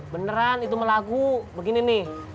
beneran itu mah lagu begini nih